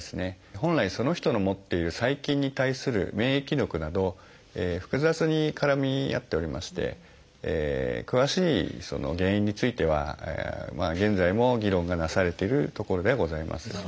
本来その人の持っている細菌に対する免疫力など複雑に絡み合っておりまして詳しい原因については現在も議論がなされているところではございます。